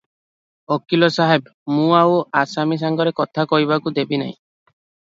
ଓକିଲ ସାହେବ, ମୁଁ ଆଉ ଆସାମୀ ସାଙ୍ଗରେ କଥା କହିବାକୁ ଦେବି ନାହିଁ ।